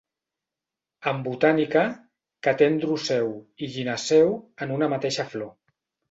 En botànica, que té androceu i gineceu en una mateixa flor.